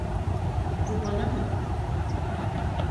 Bu bana mı?